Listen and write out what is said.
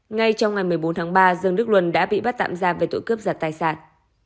ngay trong ngày một mươi bốn tháng ba dương đức luân đã bị bắt tạm giam về tội cướp giật tài sản